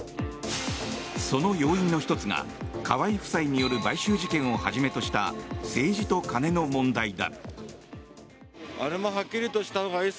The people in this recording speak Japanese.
その要因の１つが河井夫妻による買収事件をはじめとした政治と金の問題だ。